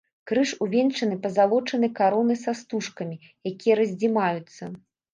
Крыж увянчаны пазалочанай каронай са стужкамі, якія раздзімаюцца.